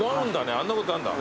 あんなことあんだ。